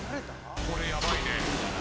「これやばいね。えっ？」